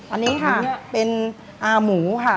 อันนี้ค่ะเป็นอาหมูค่ะ